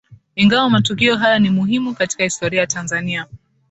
Ingawa matukio haya ni muhimu katika historia ya Tanzania